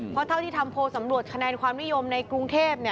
เพราะเท่าที่ทำโพลสำรวจคะแนนความนิยมในกรุงเทพ